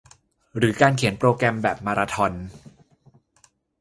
หรือการเขียนโปรแกรมแบบมาราธอน